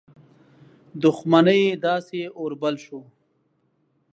دښمنۍ داسي اور بل شو.